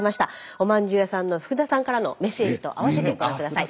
おまんじゅう屋さんの福田さんからのメッセージと併せてご覧下さい。